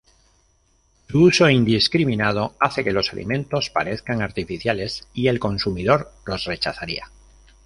Su uso indiscriminado hace que los alimentos parezcan artificiales y el consumidor los rechazaría.